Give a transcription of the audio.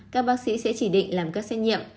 các bác sĩ sẽ chỉ định làm các xét nghiệm